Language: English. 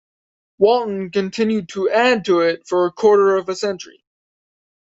Walton continued to add to it for a quarter of a century.